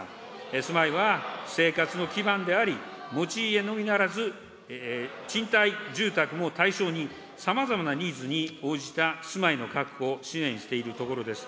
住まいは生活の基盤であり、持ち家のみならず、賃貸住宅も対象に、さまざまなニーズに応じた住まいの確保を支援しているところです。